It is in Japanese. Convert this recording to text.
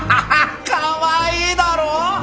かわいいだろ！